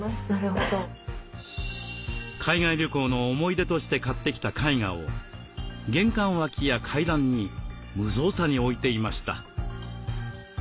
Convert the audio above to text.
海外旅行の思い出として買ってきた絵画を玄関脇や階段に無造作に置いていました。